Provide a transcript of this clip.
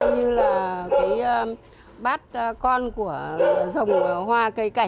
như là cái bát con của dòng hoa cây cảnh